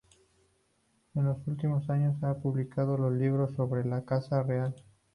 En los últimos años ha publicado dos libros sobre la Casa Real.